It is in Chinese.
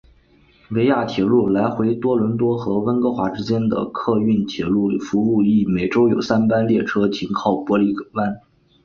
维亚铁路来回多伦多和温哥华之间的客运铁路服务亦每周有三班列车停靠帕里湾。